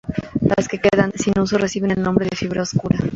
Las que quedan sin uso reciben el nombre de fibra oscura.